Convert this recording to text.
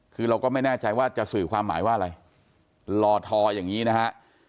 คือเราก็ไม่แน่ใจว่าจะสื่อความหมายว่าอะไรลอทออย่างนี้นะฮะ